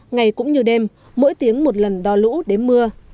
ngày cũng như đêm mỗi tiếng một lần đo lũ đến mưa